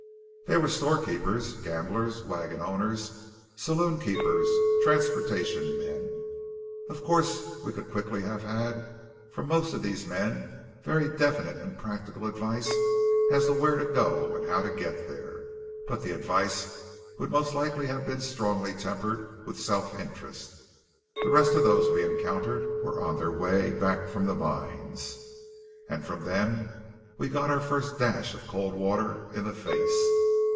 They were storekeepers, gamblers, wagon owners, saloonkeepers, transportation men. Of course we could quickly have had from most of these men very definite and practical advice as to where to go and how to get there; but the advice would most likely have been strongly tempered with self interest. The rest of those we encountered were on their way back from the mines. And from them we got our first dash of cold water in the face.